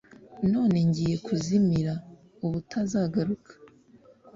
none ngiye kuzimira ubutazagaruka